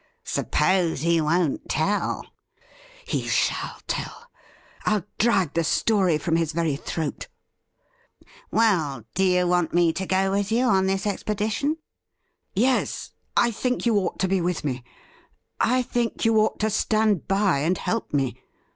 ' Suppose he won't tell ?'' He shall tell. I'll drag the story from his very throat !'' Well, do you want me to go with you on this expedition ?' Yes ; I think you ought to be with me. I think you ought to stand by and help me.